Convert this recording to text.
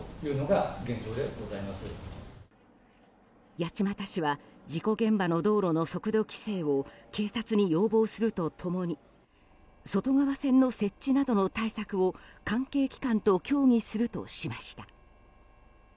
八街市は事故現場の道路の速度規制を警察に要望すると共に外側線の設置などの対策を関係機関と協議するとしました。